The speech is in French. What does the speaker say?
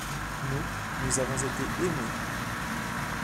Nous, nous avons été aimés.